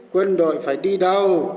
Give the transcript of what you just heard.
quân đội phải đi đâu